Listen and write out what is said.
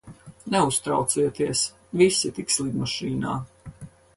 Neuztraucieties, visi tiks lidmašīnā.